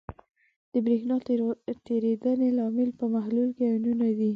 د برېښنا تیریدنې لامل په محلول کې آیونونه دي.